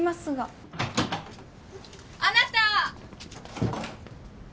あなた！